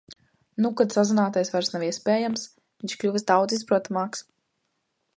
Nu, kad sazināties vairs nav iespējams, viņš kļuvis daudz izprotamāks.